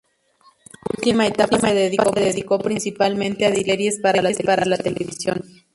En su última etapa se dedicó principalmente a dirigir series para la televisión.